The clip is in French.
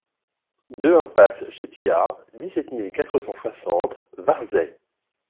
deux impasse de Chez Piat, dix-sept mille quatre cent soixante Varzay